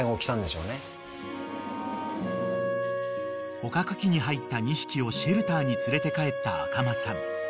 ［捕獲器に入った２匹をシェルターに連れて帰った赤間さん］